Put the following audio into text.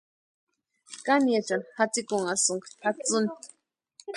¿Kániechani jatsikunhasïnki tʼatsíni?